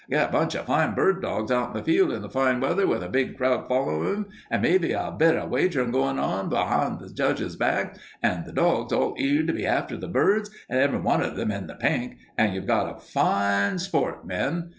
Get a bunch of fine bird dogs out in the fields in the fine weather, with a big crowd following them, and maybe a bit of wagering going on be'ind the judges' backs, and the dogs all eager to be after the birds, and every one of them in the pink, and you've got a fine sport, men.